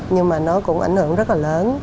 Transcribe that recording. nhưng mà nó cũng ảnh hưởng rất là lớn